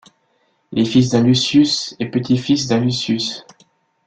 Il est fils d'un Lucius et petit-fils d'un Lucius.